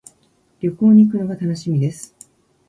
旅行に行くのが楽しみです。